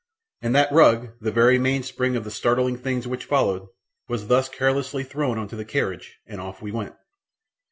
And that rug, the very mainspring of the startling things which followed, was thus carelessly thrown on to the carriage, and off we went.